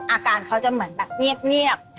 อาการเขาจะเหมือนแบบเงียบ